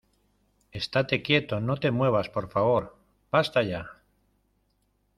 ¡ estate quieto, no te muevas , por favor! ¡ basta ya !